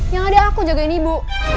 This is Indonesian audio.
yang adik aku jagain ibu